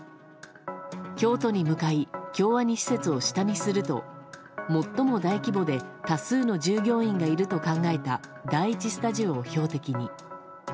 京都に向かい京アニ施設を下見するともっとも大規模で多数の従業員がいると考えた第１スタジオを標的に。